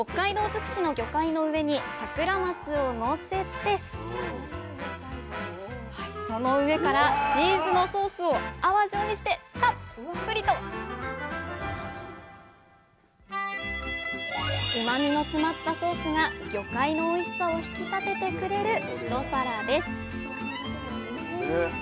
づくしの魚介の上にサクラマスをのせてその上からチーズのソースを泡状にしてたっぷりとうまみの詰まったソースが魚介のおいしさを引き立ててくれる一皿です